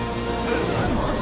・マジ？